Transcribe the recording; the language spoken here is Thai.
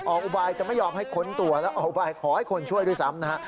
ออกอุบัยจะไม่ยอมให้ขนตัวและออกอุบัยขอให้คนช่วยด้วยซ้ำนะฮะ